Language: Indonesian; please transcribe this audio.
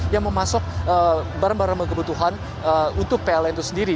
yang memasuk barang barang kebutuhan untuk pln itu sendiri